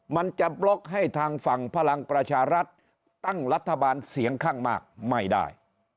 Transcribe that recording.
มันจะบล็อกให้ทางฝั่งพลังประชารัฐตั้งรัฐบาลเสียงข้างมากไม่ได้